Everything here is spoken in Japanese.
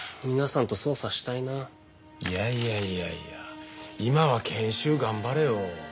いやいやいやいや今は研修頑張れよ。